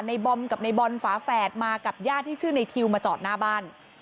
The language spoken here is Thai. บอมกับในบอลฝาแฝดมากับญาติที่ชื่อในทิวมาจอดหน้าบ้าน